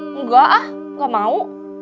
enggak ah gak mau